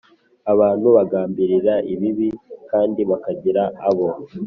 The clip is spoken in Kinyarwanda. Abantu bagambirira ibibi kandi bakagira abo